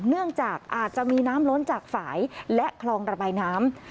เนื่องจากอาจจะมีน้ำล้นจากฝ่ายและคลองระบายน้ำ